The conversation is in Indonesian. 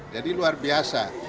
jadi luar biasa